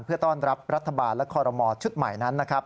เพื่อต้อนรับรัฐบาลและคอรมอชุดใหม่นั้นนะครับ